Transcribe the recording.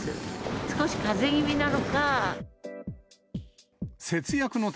少しかぜ気味なのか。